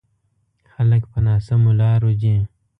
خلک په ناسمو لارو ځي.